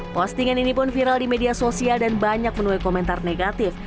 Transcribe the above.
postingan ini pun viral di media sosial dan banyak menuai komentar negatif